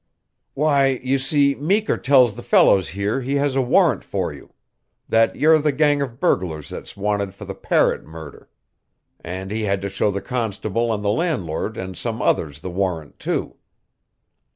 "Why, you see, Meeker tells the fellows here he has a warrant for you, that you're the gang of burglars that's wanted for the Parrott murder. And he had to show the constable and the landlord and some others the warrant, too."